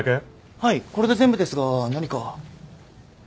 はいこれで全部ですが何か？